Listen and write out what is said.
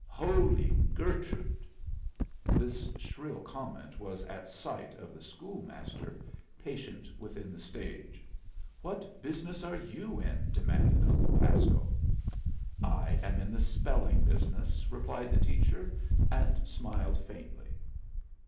Holy Gertrude!" This shrill comment was at sight of the school master, patient within the stage. "What business are you in?" demanded Uncle Pasco. "I am in the spelling business," replied the teacher, and smiled, faintly.